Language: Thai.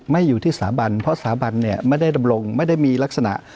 อยู่ที่สถาบันเพราะสถาบันเนี่ยไม่ได้ดำรงไม่ได้มีลักษณะ